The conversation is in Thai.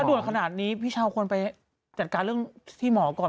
ด่วนขนาดนี้พี่เช้าควรไปจัดการเรื่องที่หมอก่อน